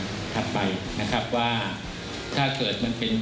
มีความรู้สึกว่ามีความรู้สึกว่ามีความรู้สึกว่า